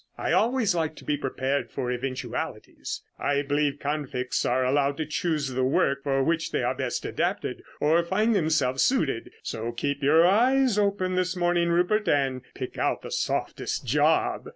I always like to be prepared for eventualities. I believe convicts are allowed to choose the work for which they are best adapted or find themselves suited, so keep your eyes open this morning, Rupert, and pick out the softest job."